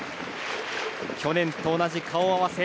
去年と同じ顔合わせ。